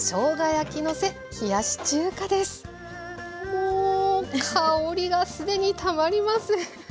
もう香りが既にたまりません。